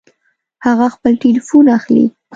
هغه خپل ټيليفون اخلي